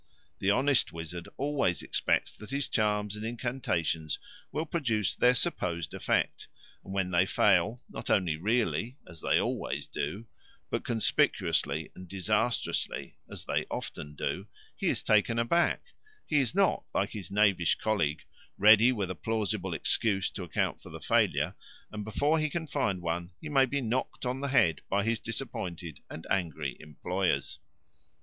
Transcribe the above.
The honest wizard always expects that his charms and incantations will produce their supposed effect; and when they fail, not only really, as they always do, but conspicuously and disastrously, as they often do, he is taken aback: he is not, like his knavish colleague, ready with a plausible excuse to account for the failure, and before he can find one he may be knocked on the head by his disappointed and angry employers.